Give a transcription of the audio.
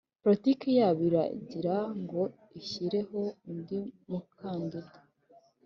politiki yabo iragira ngo ishyireho undi mukandida